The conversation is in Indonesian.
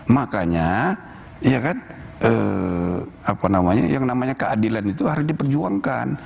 makanya ya kan apa namanya yang namanya keadilan itu harus diperjuangkan